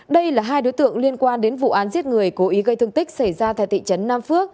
đây là hai đối tượng liên quan đến vụ án giết người cố ý gây thương tích xảy ra tại thị trấn nam phước